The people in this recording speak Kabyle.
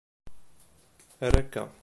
Err akka.